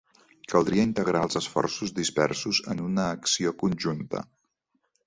Caldria integrar els esforços dispersos en una acció conjunta.